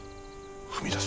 踏み出す。